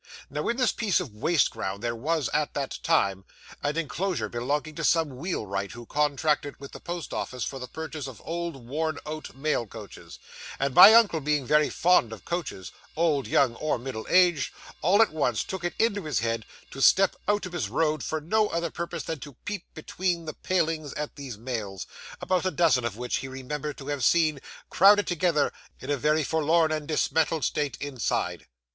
Now, in this piece of waste ground, there was, at that time, an enclosure belonging to some wheelwright who contracted with the Post Office for the purchase of old, worn out mail coaches; and my uncle, being very fond of coaches, old, young, or middle aged, all at once took it into his head to step out of his road for no other purpose than to peep between the palings at these mails about a dozen of which he remembered to have seen, crowded together in a very forlorn and dismantled state, inside.